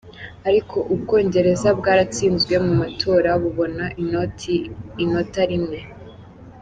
Ariko u Bwongereza bwaratsinzwe mu matora, bubona inota rimwe.